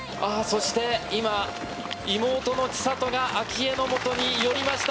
そして今、妹の千怜が明愛のもとに寄りました。